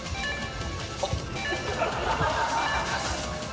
あっ！